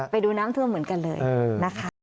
ไปดูน้ำท่วมเหมือนกันเลยนะคะ